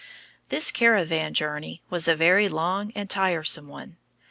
This caravan journey was a very long and tiresome one.